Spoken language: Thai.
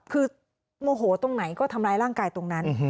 คือโมโหตรงไหนก็ทำร้ายร่างกายตรงนั้น